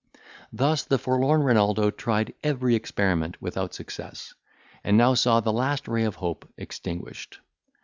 Thus the forlorn Renaldo tried every experiment without success, and now saw the last ray of hope extinguished.